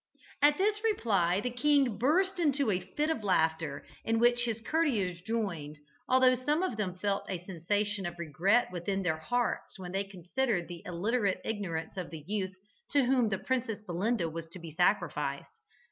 At this reply the king burst into a fit of laughter, in which his courtiers joined, although some of them felt a sensation of regret within their hearts when they considered the illiterate ignorance of the youth to whom the Princess Belinda was to be sacrificed.